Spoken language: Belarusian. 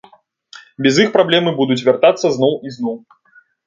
Без іх праблемы будуць вяртацца зноў і зноў.